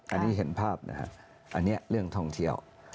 อันนี้เห็นภาพนะครับอันนี้เรื่องท่องเที่ยว